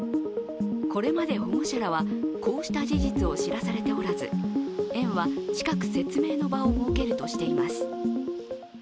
これまで保護者らはこうした事実を知らされておらず園は近く、説明の場を設けるとしています。